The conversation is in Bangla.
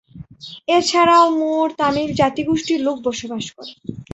এছাড়াও, মুর, তামিল জাতিগোষ্ঠীর লোক বসবাস করে।